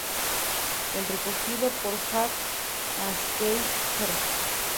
Es recogido por Jack Haskell Jr.